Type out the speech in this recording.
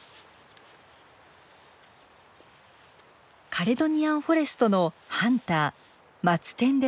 カレドニアンフォレストのハンターマツテンです。